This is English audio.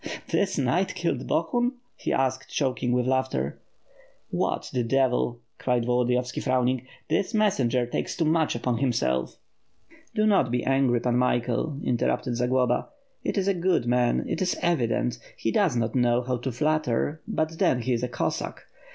"This knight kill Bohun?" he asked choking with laughter. "What, the devil!" cried Volodiyovski frowning, "this messenger takes too much upon himself." "Do not be angry; Pan Michael," interrupted Zagloba, "he is a good man, it is evident. He does not know how to flatter — ^but then he is a Cossaek.